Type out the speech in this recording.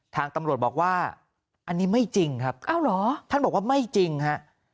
ทางตำรวจบอกว่าอันนี้ไม่จริงครับอ้าวเหรอท่านบอกว่าไม่จริงฮะ